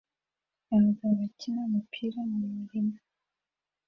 Abagabo bakina umupira mumurima